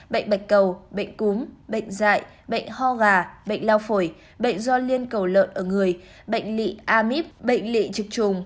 bệnh bạch cầu bệnh cúm bệnh dại bệnh ho gà bệnh lao phổi bệnh do liên cầu lợn ở người bệnh lị a mít bệnh lị trực trùng